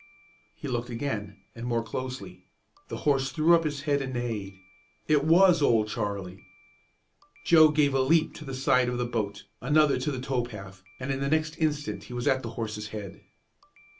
He looked again, and more closely. The horse threw up his head and neighed. It was Old Charlie! Joe gave a leap to the side of the boat, another to the tow path, and in the next instant he was at the horse's head.